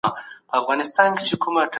د ټولني پرمختګ تر شخصي پرمختګ مهم دی.